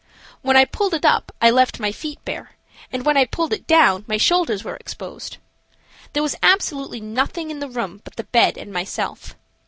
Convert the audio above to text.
When I pulled it up I left my feet bare, and when I pulled it down my shoulders were exposed. There was absolutely nothing in the room but the bed and myself.